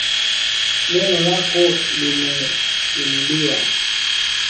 Neno lako limeinuliwa.